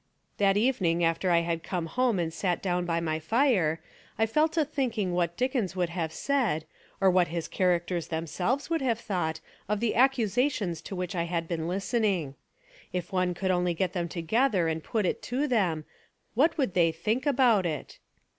That evening after I had come home and sat down beside my fire, I fell to thinking what Dickens would have said, or what his charac ters themselves would have thought of the ac cusations to which I had been listening. If one could only get them together and put it to them, what would they think about it?